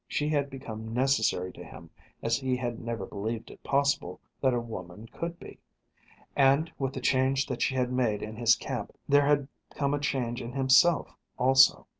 She had become necessary to him as he had never believed it possible that a woman could be. And with the change that she had made in his camp there had come a change in himself also.